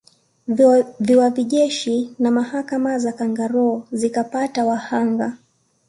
Viwavi Jeshi na mahakama za kangaroo zikapata wahanga